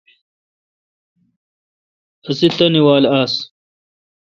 اسہ تانی وال آس۔